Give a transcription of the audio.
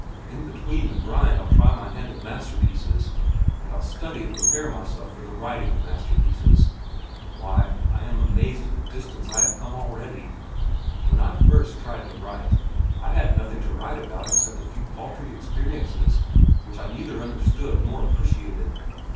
In between the grind I'll try my hand at masterpieces, and I'll study and prepare myself for the writing of masterpieces. Why, I am amazed at the distance I have come already. When I first tried to write, I had nothing to write about except a few paltry experiences which I neither understood nor appreciated.